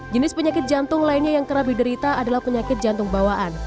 jenis penyakit jantung lainnya yang kerap diderita adalah penyakit jantung bawaan